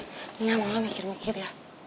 ini yang mama mikir mikir ya